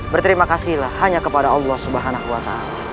berterima kasihlah hanya kepada allah swt